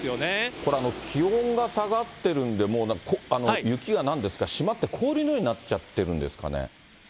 これ、気温が下がってるんで、もう雪がなんですか、締まって氷のようになっちゃってるんですかね。